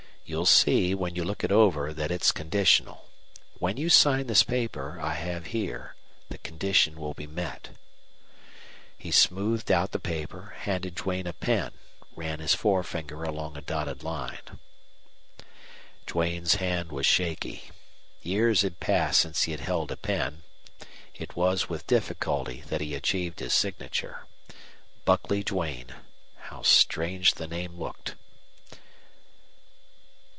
"You'll see, when you look it over, that it's conditional. When you sign this paper I have here the condition will be met." He smoothed out the paper, handed Duane a pen, ran his forefinger along a dotted line. Duane's hand was shaky. Years had passed since he had held a pen. It was with difficulty that he achieved his signature. Buckley Duane how strange the name looked!